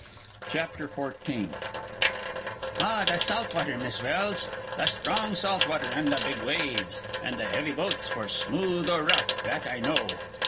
CHAPTER XIV "Ah, the salt water, Miss Welse, the strong salt water and the big waves and the heavy boats for smooth or rough that I know.